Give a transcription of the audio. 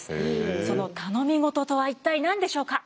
その頼み事とは一体何でしょうか？